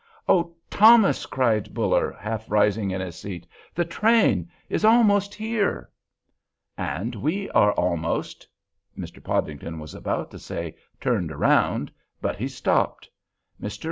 "Oh, Thomas!" cried Buller, half rising in his seat, "that train is almost here!" "And we are almost——" Mr. Podington was about to say "turned around," but he stopped. Mr.